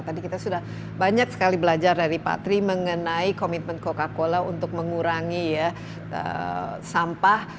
tadi kita sudah banyak sekali belajar dari pak tri mengenai komitmen coca cola untuk mengurangi ya sampah